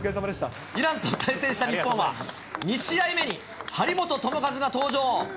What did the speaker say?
イランと対戦した日本は、２試合目に、張本智和が登場。